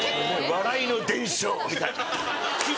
「笑いの伝承」みたいな。